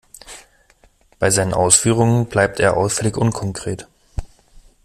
Bei seinen Ausführungen bleibt er auffällig unkonkret.